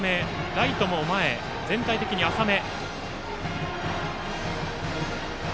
ライトも前、全体的に浅め。